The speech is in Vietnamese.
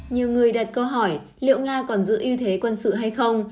nhiều người đặt câu hỏi liệu nga còn giữ ưu thế quân sự hay không